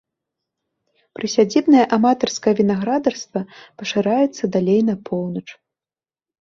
Прысядзібнае аматарскае вінаградарства пашыраецца далей на поўнач.